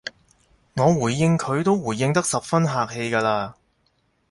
我回應佢都回應得十分客氣㗎喇